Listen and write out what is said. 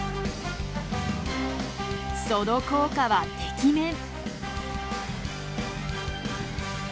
その効果はてきめん！